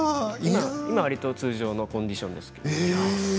今はわりと通常のコンディションですけど。